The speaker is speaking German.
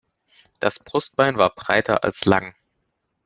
Das Brustbein war breiter als lang.